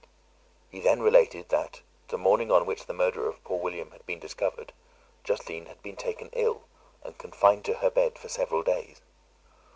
He then related that, the morning on which the murder of poor William had been discovered, Justine had been taken ill, and confined to her bed for several days.